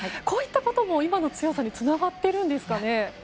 こういったことも今の強さにつながっているんですかね？